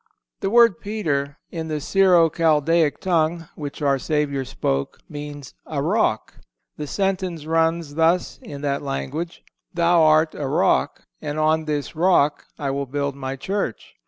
The word Peter, in the Syro Chaldaic tongue, which our Savior spoke, means a rock. The sentence runs thus in that language: _"__Thou art a rock, and on this rock I will build My Church.